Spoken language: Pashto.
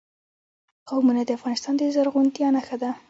قومونه د افغانستان د زرغونتیا نښه ده.